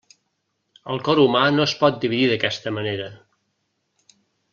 El cor humà no es pot dividir d'aquesta manera.